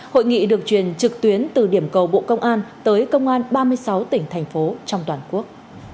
hội nghị được truyền trực tuyến từ điểm cầu bộ công an tới công an ba mươi sáu tỉnh thành phố trong toàn quốc